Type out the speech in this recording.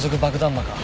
魔か。